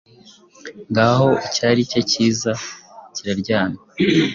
Ngaho icyari cye cyiza kiraryamye,